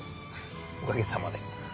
おかげさまで。